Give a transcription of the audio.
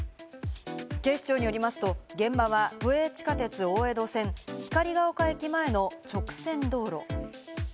警視庁によりますと、現場は都営地下鉄大江戸線、光が丘駅前の直線道路。